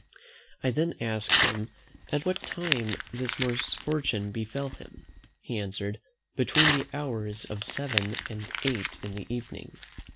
I then asked him, "at what time this misfortune befell him?" He answered, "Between the hours of seven and eight in the evening."